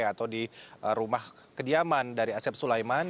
atau di rumah kediaman dari asep sulaiman